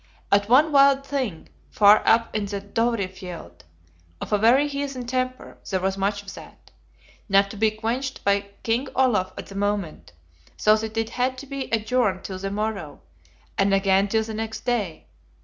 At one wild Thing, far up in the Dovrefjeld, of a very heathen temper, there was much of that; not to be quenched by King Olaf at the moment; so that it had to be adjourned till the morrow, and again till the next day.